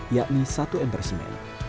yakni satu ember simen